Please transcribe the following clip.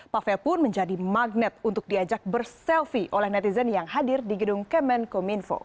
pavel pun menjadi magnet untuk diajak berselfie oleh netizen yang hadir di gedung kemenkominfo